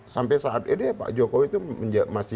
sampai saat ini pak jokowi itu masih